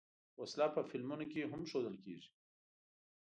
وسله په فلمونو کې هم ښودل کېږي